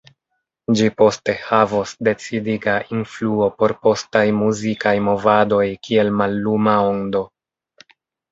Ĝi poste havos decidiga influo por postaj muzikaj movadoj kiel malluma ondo.